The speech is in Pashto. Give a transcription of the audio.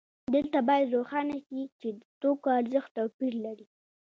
دلته باید روښانه شي چې د توکو ارزښت توپیر لري